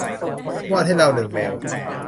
วาดให้เราหนึ่งแมว